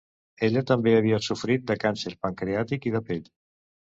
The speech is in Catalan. Ella també havia sofrit de càncer pancreàtic i de pell.